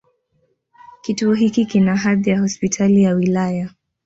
Kituo hiki kina hadhi ya Hospitali ya wilaya.